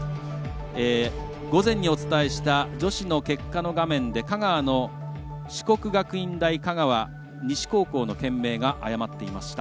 午前にお伝えした女子の結果の画面で香川の四国学院大香川西高校の県名が誤っていました。